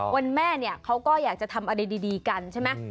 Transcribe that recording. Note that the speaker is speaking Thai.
แม่เนี่ยเขาก็อยากจะทำอะไรดีกันใช่ไหม